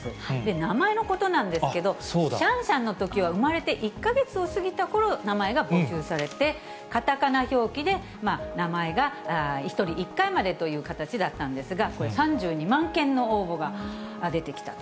名前のことなんですけど、シャンシャンのときは産まれて１か月を過ぎたころ、名前が募集されて、かたかな表記で名前が１人１回までという形だったんですが、３２万件の応募が出てきたと。